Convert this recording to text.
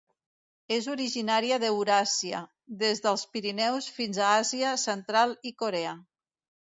És originària d'Euràsia, des dels Pirineus fins a Àsia central i Corea.